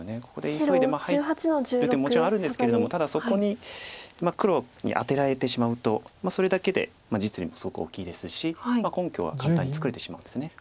ここで急いで入る手ももちろんあるんですけれどもただそこに黒にアテられてしまうとそれだけで実利もすごく大きいですし根拠は簡単に作れてしまうんです。